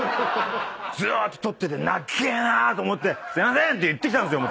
ずーっと撮ってて長えなと思って「すいません」って言ってきたんですよ